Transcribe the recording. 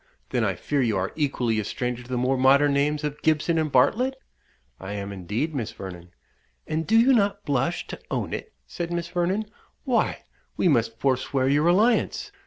then I fear you are equally a stranger to the more modern names of Gibson and Bartlett?" "I am, indeed, Miss Vernon." "And do you not blush to own it?" said Miss Vernon. "Why, we must forswear your alliance.